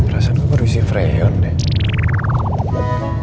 rasanya kok berisi freon deh